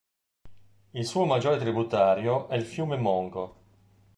Il suo maggiore tributario è il fiume "Mongo".